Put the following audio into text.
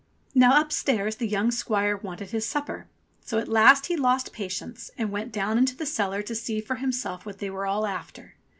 Now upstairs the young squire wanted his supper ; so at last he lost patience and went down into the cellar to see for himself what they were all after.